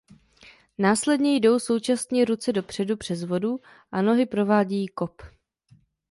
Následně jdou současně ruce dopředu přes vodu a nohy provádějí kop.